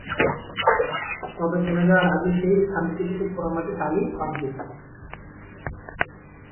তবে থেমে যাওয়ার আগে সেই স্থানটিতে কিছু পোড়ামাটির টালি পান তিনি।